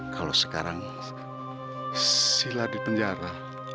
kalau sekarang sila di penjara